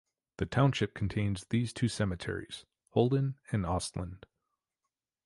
The township contains these two cemeteries: Holden and Ostlund.